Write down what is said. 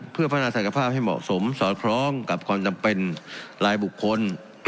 เพื่อพัฒนาศักยภาพให้เหมาะสมสอดคล้องกับความจำเป็นรายบุคคล